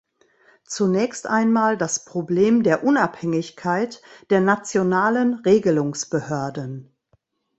Zunächst einmal das Problem der Unabhängigkeit der nationalen Regelungsbehörden.